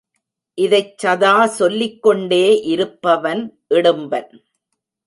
இதைச் சதா சொல்லிக் கொண்டே இருப்பவன் இடும்பன்.